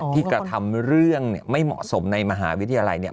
ที่กระทำเรื่องไม่เหมาะสมในมหาวิทยาลัยเนี่ย